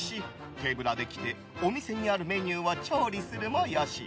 手ぶらで来てお店にあるメニューを調理するも良し。